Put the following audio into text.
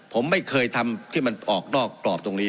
ผมไม่เคยทำที่มันออกนอกกรอบตรงนี้